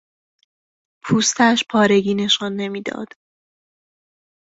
پوستش پارگی نشان نمیداد.